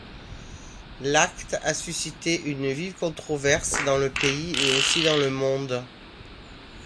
L'acte a suscité une vive controverse, dans le pays et aussi dans le monde.